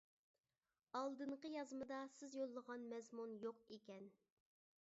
ئالدىنقى يازمىدا سىز يوللىغان مەزمۇن يوق ئىكەن.